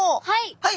はい。